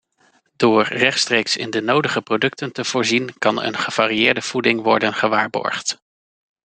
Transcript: Door rechtstreeks in de nodige producten te voorzien, kan een gevarieerde voeding worden gewaarborgd.